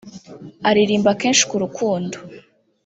aririmba kenshi k’urukundo